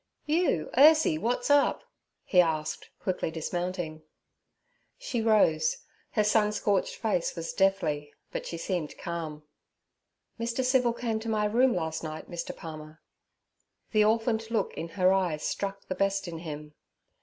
'You, Ursie! What's up?' he asked, quickly dismounting. She rose; her sun scorched face was deathly, but she seemed calm. 'Mr. Civil came to my room last night, Mr. Palmer.' The orphaned look in her eyes struck the best in him.